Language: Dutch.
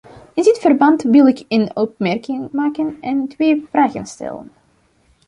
In dit verband wil ik een opmerking maken en twee vragen stellen.